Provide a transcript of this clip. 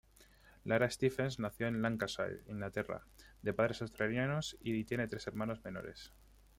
Sara Stephens nació en Lancashire, Inglaterra, de padres australianos y tiene tres hermanos menores.